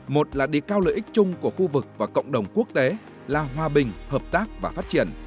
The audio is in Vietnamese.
một là đề cao lợi ích chung của khu vực và cộng đồng quốc tế là hòa bình hợp tác và phát triển